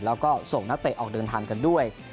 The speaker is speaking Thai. แล้วก็ส่งนักเตะออกเดินทางกันด้วย